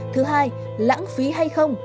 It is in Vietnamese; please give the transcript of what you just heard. thứ hai lãng phí hay không